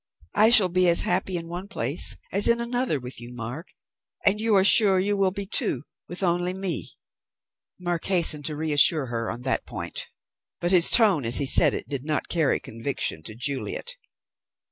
I shall be as happy in one place as in another with you, Mark; are you sure you will be, too, with only me?" Mark hastened to reassure her on that point, but his tone as he said it did not carry conviction to Juliet.